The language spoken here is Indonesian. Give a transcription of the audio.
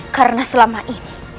karena selama ini